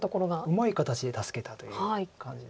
うまい形で助けたという感じです。